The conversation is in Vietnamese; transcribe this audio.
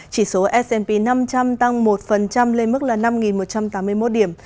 chỉ số s p năm trăm linh tăng một lên mức là năm một trăm tám mươi một điểm